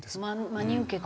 真に受けて？